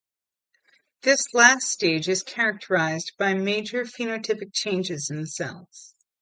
This last stage is characterized by major phenotypic changes in the cell.